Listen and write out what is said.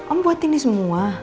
om buat ini semua